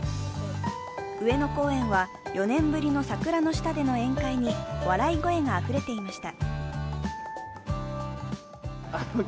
上野公園は、４年ぶりの桜の下での宴会に笑い声があふれていました。